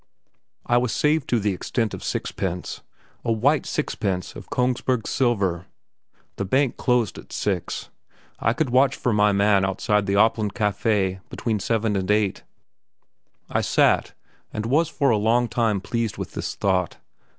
I was saved to the extent of sixpence a white sixpence of Kongsberg silver. The bank closed at six; I could watch for my man outside the Opland Café between seven and eight. I sat, and was for a long time pleased with this thought.